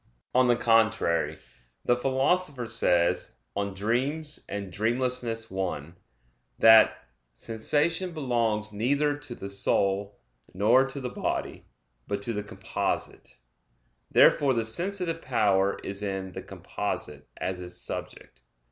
On the contrary, The Philosopher says (De Somno et Vigilia i) that "sensation belongs neither to the soul, nor to the body, but to the composite." Therefore the sensitive power is in "the composite" as its subject.